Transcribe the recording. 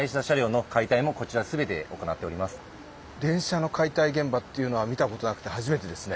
電車の解体現場っていうのは見たことなくて初めてですね。